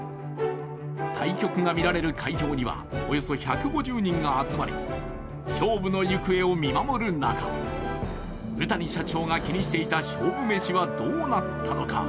対局が見られる会場にはおよそ１５０人が集まり、勝負の行方を見守る中、宇谷社長が気にしていた勝負メシはどうなったのか。